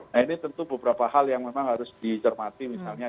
nah ini tentu beberapa hal yang memang harus dicermati misalnya